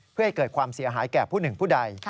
เพื่อให้เกิดความเสียหายแก่ผู้หนึ่งผู้ใด